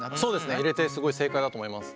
入れてすごい正解だと思います。